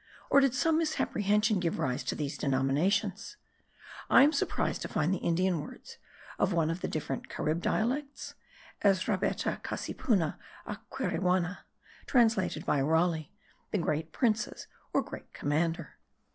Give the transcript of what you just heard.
or did some misapprehension give rise to these denominations? I am surprised to find the Indian words [of one of the different Carib dialects?] Ezrabeta cassipuna aquerewana, translated by Raleigh, the great princes or greatest commander.